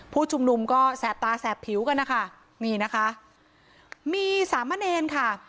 ผู้ชุมนุมก็แสบตาแสบผิวกันนะคะนี่นะคะมีสามะเนรค่ะ